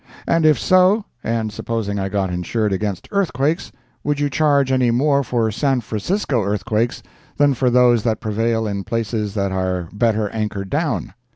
And if so, and supposing I got insured against earthquakes, would you charge any more for San Francisco earthquakes than for those that prevail in places that are better anchored down?